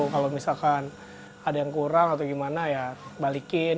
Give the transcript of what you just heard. kalau misalkan ada yang kurang atau gimana ya balikin